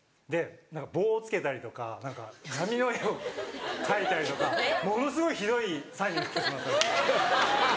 棒をつけたりとか何か波の絵を描いたりとかものすごいひどいサインになってしまったんです。